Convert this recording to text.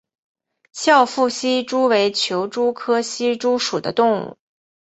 翘腹希蛛为球蛛科希蛛属的动物。